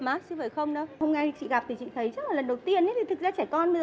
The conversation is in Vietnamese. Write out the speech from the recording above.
em không được nói chuyện với chị như thế